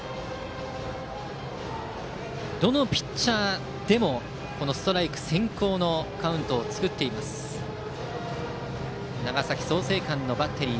どのピッチャーでもこのストライク先行のカウントを作っています長崎・創成館のバッテリー。